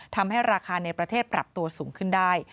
ทำให้ราคาในประเทศปรับตัวสูงขึ้นได้